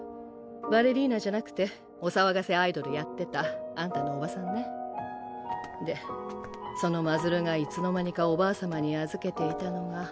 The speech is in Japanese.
バレリーナじゃなくてお騒がせアイドルやってたあんたの叔母さんねでその真鶴がいつの間にかおばあ様